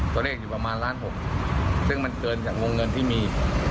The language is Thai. ตัวเลขอยู่ประมาณล้านหกซึ่งมันเกินจากวงเงินที่มี